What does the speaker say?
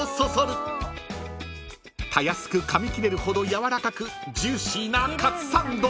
［たやすくかみ切れるほどやわらかくジューシーなカツサンド］